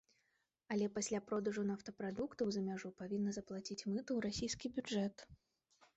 Але пасля продажу нафтапрадуктаў за мяжу павінна заплаціць мыту ў расійскі бюджэт.